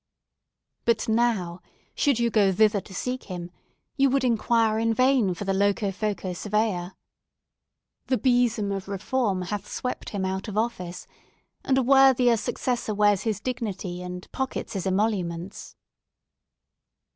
But now, should you go thither to seek him, you would inquire in vain for the Locofoco Surveyor. The besom of reform hath swept him out of office, and a worthier successor wears his dignity and pockets his emoluments.